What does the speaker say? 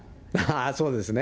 そうですね。